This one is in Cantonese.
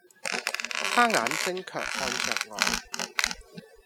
他眼睛卻看着我。